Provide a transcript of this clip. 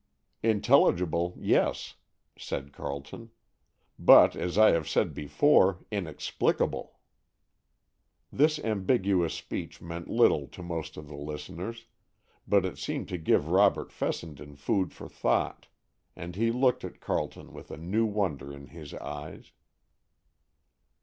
"Intelligible, yes;" said Carleton, "but, as I have said before, inexplicable." This ambiguous speech meant little to most of the listeners, but it seemed to give Robert Fessenden food for thought, and he looked at Carleton with a new wonder in his eyes.